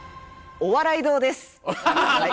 お笑い道です。